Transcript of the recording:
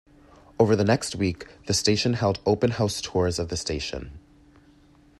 Over the next week the station held open house tours of the station.